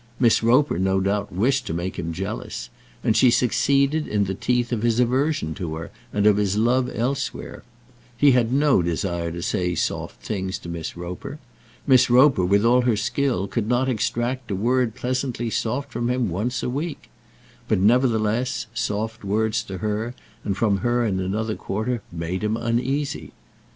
Miss Roper, no doubt, wished to make him jealous; and she succeeded in the teeth of his aversion to her and of his love elsewhere. He had no desire to say soft things to Miss Roper. Miss Roper, with all her skill, could not extract a word pleasantly soft from him once a week. But, nevertheless, soft words to her and from her in another quarter made him uneasy.